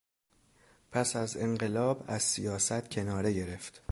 پس از انقلاب از سیاست کناره گرفت.